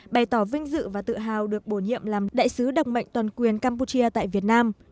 bày tỏ vinh dự và tự hào được bổ nhiệm làm đại sứ đặc mệnh toàn quyền campuchia tại việt nam